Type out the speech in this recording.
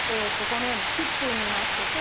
このようにキッチンになってて。